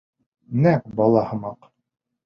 Нәҡ бала һымаҡ.